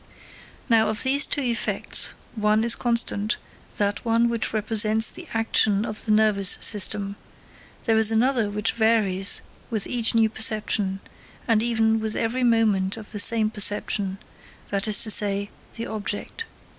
Now, of these two effects, one is constant, that one which represents the action of the nervous system; there is another which varies with each new perception, and even with every moment of the same perception that is to say, the object.